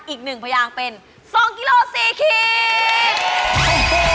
อีก๑พยางเป็น๒กิโล๔ขีด